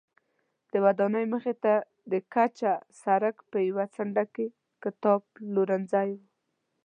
د ودانۍ مخې ته د کچه سړک په یوه څنډه کې کتابپلورځی و.